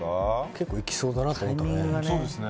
結構いきそうだなと思ったね